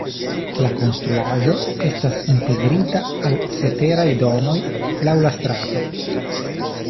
La konstruaĵo estas integrita al la ceteraj domoj laŭ la strato.